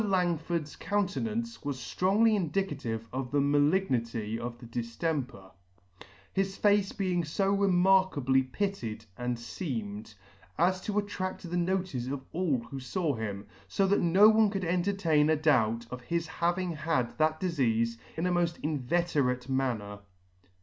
Langford's countenance was ftrongly indicative of the malignity of the diftemper, his face being fo remarkably pitted and Teamed, as to attract the notice of all who faw him, fo that no one could entertain a doubt of his having had that difeafe in a moft inveterate manner."